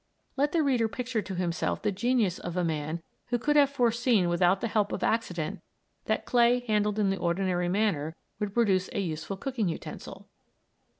Let the reader picture to himself the genius of a man who could have foreseen without the help of accident that clay handled in the ordinary manner would produce a useful cooking utensil!